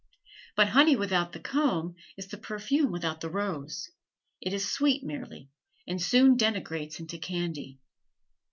But honey without the comb is the perfume without the rose, it is sweet merely, and soon degenerates into candy.